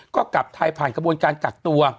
ก็กลับไทยผ่านกระบวนการกักตัว